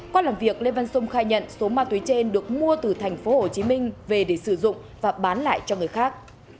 qua làm việc lê văn sung khai nhận số ma túy trên được mua từ tp hcm về để sử dụng và bán lại cho người khác